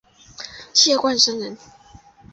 谢冠生人。